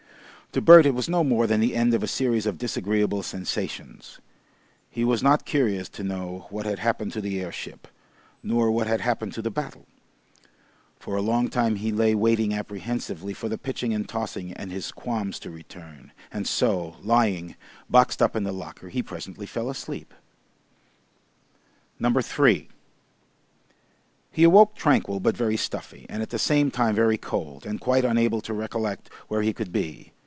To Bert it was no more than the end of a series of disagreeable sensations. He was not curious to know what had happened to the airship, nor what had happened to the battle. For a long time he lay waiting apprehensively for the pitching and tossing and his qualms to return, and so, lying, boxed up in the locker, he presently fell asleep. 3 He awoke tranquil but very stuffy, and at the same time very cold, and quite unable to recollect where he could be.